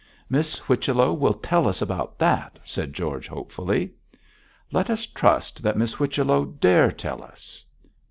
'Miss Whichello will tell us about that!' said George, hopefully. 'Let us trust that Miss Whichello dare tell us.'